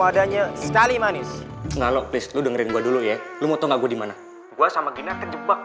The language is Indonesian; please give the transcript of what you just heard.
nyanyi sekali manis kalau please dengerin gue dulu ya lu mau tahu gimana gua sama kena terjebak